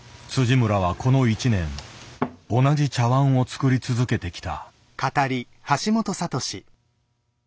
村はこの一年同じ茶碗を作り続けてきた。